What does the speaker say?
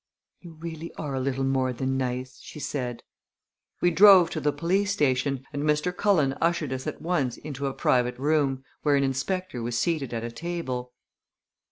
"You really are a little more than nice!" she said. We drove to the police station and Mr. Cullen ushered us at once into a private room, where an inspector was seated at a table.